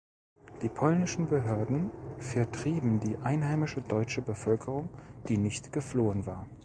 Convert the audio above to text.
Die polnischen Behörden vertrieben die einheimische deutsche Bevölkerung, die nicht geflohen war.